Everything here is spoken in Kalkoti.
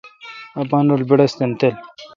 اپان رل بّڑّستن تھل۔